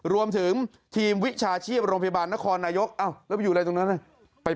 รวมถึงทีมวิชาชีพโรงพยาบาลนครนายกแล้วไปอยู่อะไรตรงนั้น